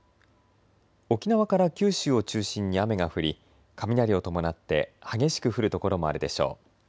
沖縄から九州を中心に雨が降り雷を伴って激しく降る所もあるでしょう。